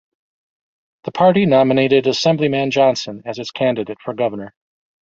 The party nominated Assemblyman Johnson as its candidate for governor.